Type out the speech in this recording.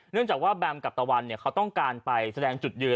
เนื่องจากว่าแบมกับตะวันเขาต้องการไปแสดงจุดยืน